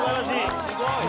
すごい！